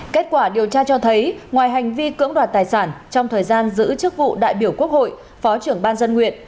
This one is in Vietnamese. kết quả điều tra cho thấy ngoài hành vi cưỡng đoạt tài sản trong thời gian giữ chức vụ đại biểu quốc hội phó trưởng ban dân nguyện